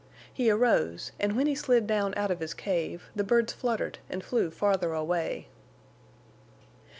He arose, and when he slid down out of his cave the birds fluttered and flew farther away.